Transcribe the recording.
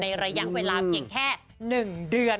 ระยะเวลาเพียงแค่๑เดือน